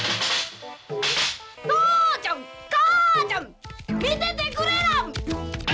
父ちゃん母ちゃん見ててくれらん！